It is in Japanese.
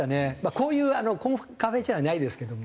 こういうコンカフェじゃないですけども。